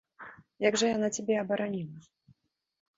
Як жа яна цябе абараніла?